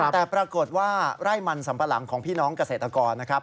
แต่ปรากฏว่าไร่มันสัมปะหลังของพี่น้องเกษตรกรนะครับ